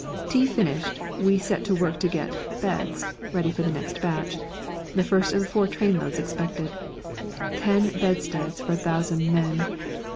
Tea finished, we set to work to get "beds" ready for the next batch, the first of the four trainloads expected. Ten bedsteads for a thousand men!